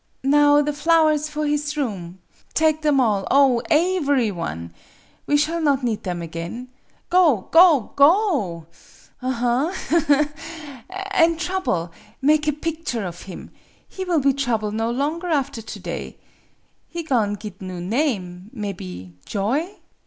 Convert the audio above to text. " Now the flowers for his room ! Take them all oh, aevery one! We shall not 72 MADAME BUTTERFLY need them again. Go go go! Aha, ha, ha! An' Trouble make a picture of him! He will be Trouble no longer after to day. He go'n' git new name mebby Joy!